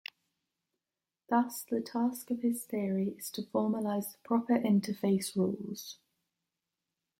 Thus, the task of his theory is to formalize the proper interface rules.